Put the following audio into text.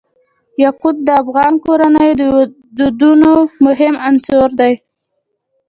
یاقوت د افغان کورنیو د دودونو مهم عنصر دی.